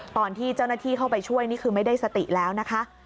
ตอนที่เจ้าหน้าที่เข้าไปช่วยนี่คือไม่ได้สติแล้วนะคะ